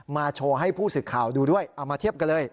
โชว์ให้ผู้สื่อข่าวดูด้วยเอามาเทียบกันเลย